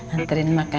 anterin makanan kok malu